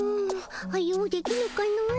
はようできぬかの。